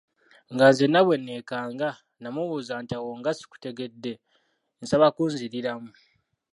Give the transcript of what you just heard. Nga nzenna bwe neekanga, namubuuza nti awo nga sikutegedde, nsaba kunziriramu.